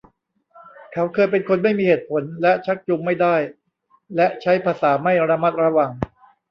เขาเคยเป็นคนไม่มีเหตุผล และชักจูงไม่ได้ และใช้ภาษาไม่ระมัดระวัง